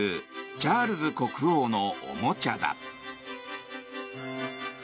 チャールズ国王のおもちゃだ。